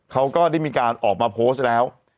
เขาก็ได้มีการออกมาโพสต์แล้ว